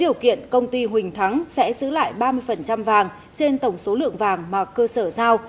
điều kiện công ty huỳnh thắng sẽ giữ lại ba mươi vàng trên tổng số lượng vàng mà cơ sở giao